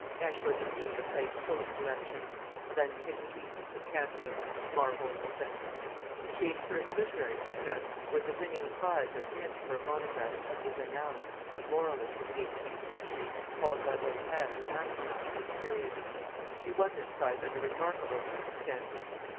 Aix was indeed a place full of collections, of antiquities, of cameos, of marbles, etc. Thiers' first literary success was the winning a prize at Nîmes for a monograph on Vauvenargues, a moralist of the eighteenth century, called by Voltaire the master mind of his period. He won this prize under remarkable circumstances.